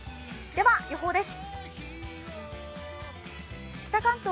では予報です。